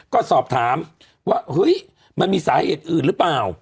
ก็สอบถามว่าเฮ้ยมันมีสาเหตุอื่นหรือเปล่า